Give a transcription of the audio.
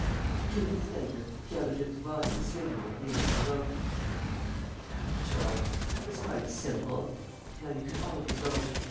Two minutes later, Pierre Leduc's body was swinging at the end of the rope. "Capital, that was quite simple! Now you can all of you go.